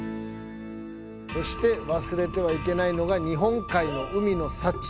そしてわすれてはいけないのが日本海の海のさち。